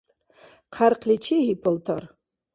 Хъярхъли чегьи палтар!